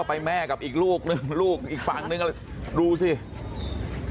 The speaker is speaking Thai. เฮ้ยเฮ้ยเฮ้ยเฮ้ยเฮ้ยเฮ้ยเฮ้ยเฮ้ยเฮ้ย